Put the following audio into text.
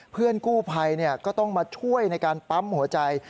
เพื่อนกู้ภัยก็ต้องมาช่วยในการปั๊มหัวใจ